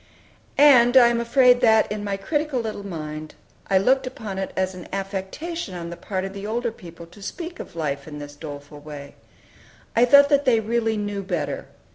And I am afraid that in my critical little mind I looked upon it as an affectation on the part of the older people to speak of life in this doleful way. I thought that they really knew better.